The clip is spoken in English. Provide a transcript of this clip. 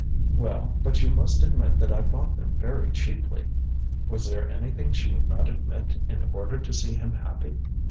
ŌĆØ ŌĆ£Well, but you must admit that I bought them very cheaply. ŌĆØ Was there anything she would not admit in order to see him happy?